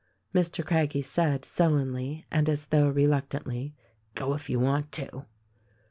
Mr. Craggie said sullenly, and as though reluctantly, "Go, if you want to."